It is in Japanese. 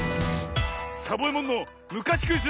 サボえもんのむかしクイズ